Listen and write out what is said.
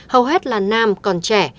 hầu hết là nam còn trẻ